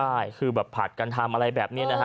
ใช่คือแบบผัดกันทำอะไรแบบนี้นะฮะ